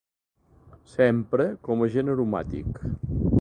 S'empra com agent aromàtic.